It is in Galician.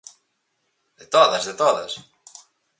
De todas, de todas.